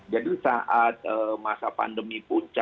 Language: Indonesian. jadi saat masa pandemi pun